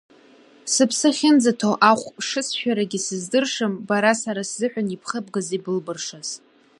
Сыԥсы ахьынӡаҭоу ахә шысшәарагьы сыздыршам бара сара сзыҳәан ибхыбгаз, ибылбыршаз.